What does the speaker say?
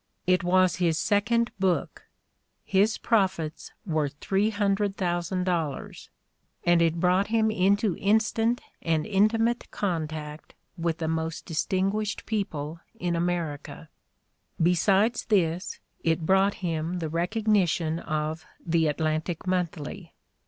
'' It was his second book : his profits were $300,000, and it brought him into instant and intimate contact with the most distinguished people in America. Besides this, it brought him the recognition of The Atlantic Monthly.